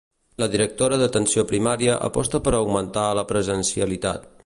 La directora d'Atenció Primària aposta per augmentar la presencialitat.